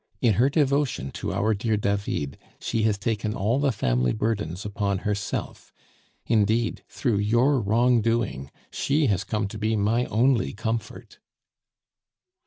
In her devotion to our dear David she has taken all the family burdens upon herself; indeed, through your wrongdoing she has come to be my only comfort."